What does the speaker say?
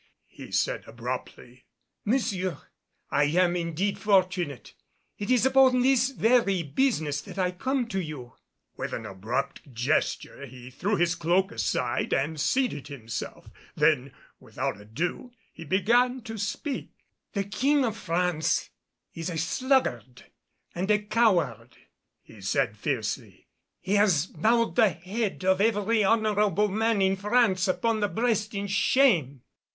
he said abruptly. "Monsieur, I am indeed fortunate. It is upon this very business that I am come to you." With an abrupt gesture he threw his cloak aside and seated himself. Then without ado, he began to speak. "The King of France is a sluggard and a coward," he said fiercely. "He has bowed the head of every honorable man in France upon the breast in shame.